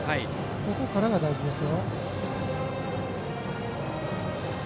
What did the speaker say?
そこからが大事です。